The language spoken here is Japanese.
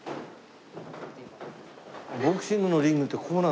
ボクシングのリングってこうなんだ。